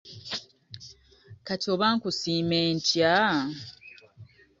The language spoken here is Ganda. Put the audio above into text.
Kati oba nkusiime ntya?